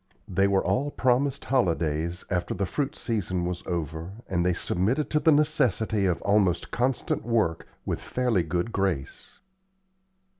They all were promised holidays after the fruit season was over, and they submitted to the necessity of almost constant work with fairly good grace.